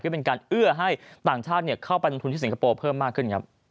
ก็เป็นการเอื้อให้ต่างชาติเข้าไปลงทุนที่สิงคโปร์เพิ่มมากขึ้นครับ